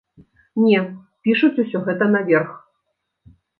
Не, пішуць усё гэта наверх!